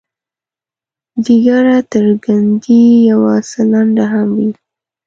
ډیګره تر ګنډۍ یو څه لنډه هم وي.